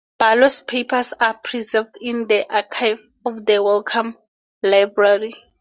Barlow's papers are preserved in the archive of the Wellcome Library.